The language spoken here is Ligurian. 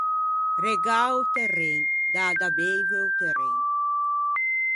Regâ o terren, dâ da beive o terren.